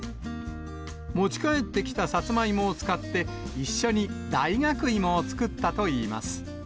持ち帰ってきたさつまいもを使って、一緒に大学芋を作ったといいます。